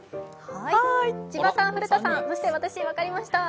千葉さん、古田さん、そして私、分かりました。